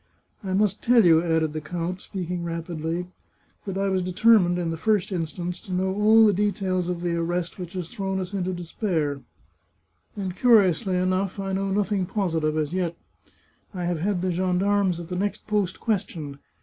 " I must tell you," added the count, speaking rapidly, " that I was determined, in the first instance, to know all the details of the arrest which has thrown us into despair, and, curiously enough, I know nothing positive as yet. I have had the gendarmes at the next post questioned.